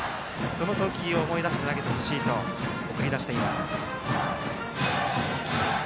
その投球を思い出して投げてほしいと送り出しています。